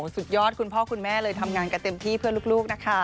สุดยอดคุณพ่อคุณแม่เลยทำงานกันเต็มที่เพื่อลูกนะคะ